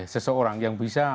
seseorang yang bisa